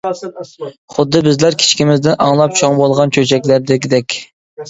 خۇددى بىزلەر كىچىكىمىزدىن ئاڭلاپ چوڭ بولغان چۆچەكلەردىكىدەك.